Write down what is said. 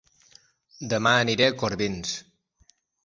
Dema aniré a Corbins